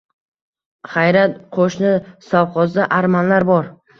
Xayriyat, qo‘shni sovxozda armanlar bor.